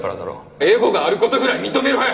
エゴがあることぐらい認めろよ！